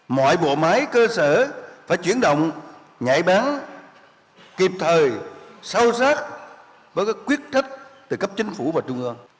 mọi bộ máy cơ sở phải chuyển động nhạy bán kịp thời sâu sát với các quyết trách từ cấp chính phủ và trung ương